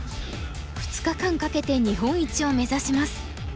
２日間かけて日本一を目指します。